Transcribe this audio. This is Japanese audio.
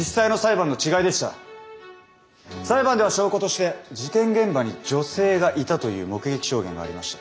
裁判では証拠として事件現場に女性がいたという目撃証言がありました。